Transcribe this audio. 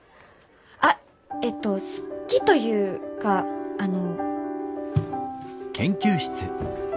あっえっと好きというかあの。